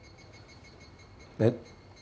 えっ？